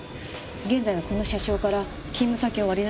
現在はこの社章から勤務先を割り出し中です。